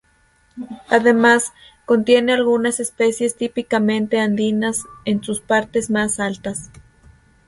Además, contiene algunas especies típicamente andinas en sus partes más altas.